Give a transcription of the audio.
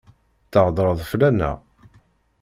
Theddṛeḍ fell-aneɣ?